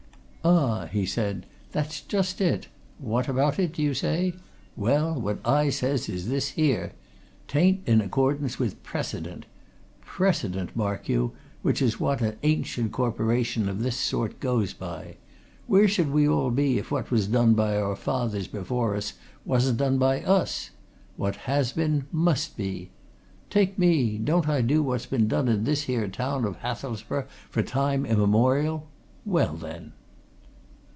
"Ah!" he said. "That's just it what about it, do you say? Well, what I say is this here 'taint in accordance with precedent! Precedent, mark you! which is what a ancient Corporation of this sort goes by. Where should we all be if what was done by our fathers before us wasn't done by us? What has been, must be! Take me, don't I do what's been done in this here town of Hathelsborough for time immemorial? Well, then!"